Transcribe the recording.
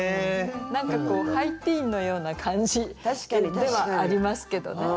何かこうハイティーンのような感じではありますけどね。